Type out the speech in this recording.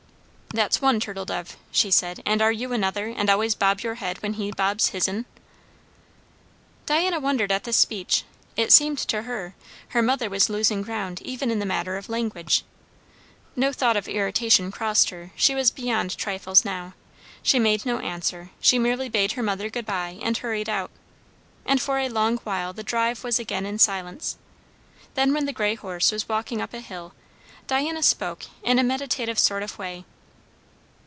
"That's one turtle dove," she said. "And are you another, and always bob your head when he bobs his'n?" Diana wondered at this speech; it seemed to her, her mother was losing ground even in the matter of language. No thought of irritation crossed her; she was beyond trifles now. She made no answer; she merely bade her mother good bye, and hurried out. And for a long while the drive was again in silence. Then, when the grey horse was walking up a hill, Diana spoke in a meditative sort of way.